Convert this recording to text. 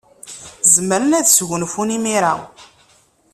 Zemren ad sgunfun imir-a.